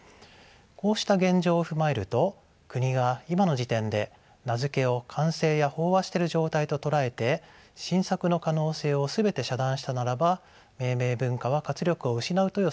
こうした現状を踏まえると国が今の時点で名付けを完成や飽和している状態と捉えて新作の可能性を全て遮断したならば命名文化は活力を失うと予測されます。